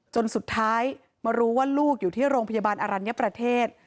จนสุดท้ายมารู้ว่าลูกอยู่ที่โรงพยาบาลอรัญญประเทศ